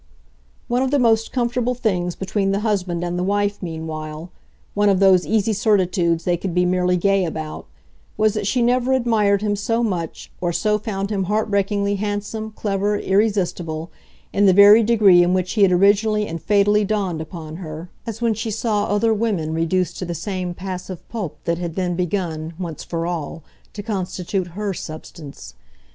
One of the most comfortable things between the husband and the wife meanwhile one of those easy certitudes they could be merely gay about was that she never admired him so much, or so found him heartbreakingly handsome, clever, irresistible, in the very degree in which he had originally and fatally dawned upon her, as when she saw other women reduced to the same passive pulp that had then begun, once for all, to constitute HER substance.